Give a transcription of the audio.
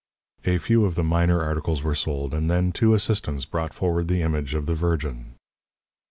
A few of the minor articles were sold, and then two assistants brought forward the image of the Virgin.